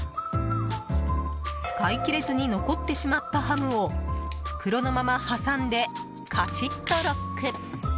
使い切れずに残ってしまったハムを袋のまま挟んでカチッとロック！